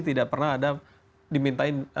tidak pernah ada dimintain